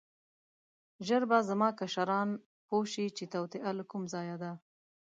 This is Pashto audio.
ژر به زما کشران پوه شي چې توطیه له کوم ځایه ده.